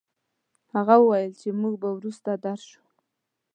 هغه وويل چې موږ به وروسته درشو.